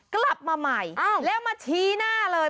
กลับมาใหม่แล้วมาชี้หน้าเลย